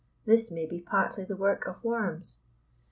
This may be partly the work of worms.